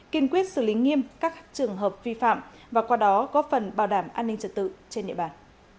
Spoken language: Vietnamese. kiên quyết xử lý nghiêm các trường hợp vi phạm và qua đó góp phần bảo đảm an ninh trật tự trên địa bàn